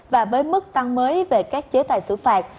và với mức tăng mới về các chế tài xử phạt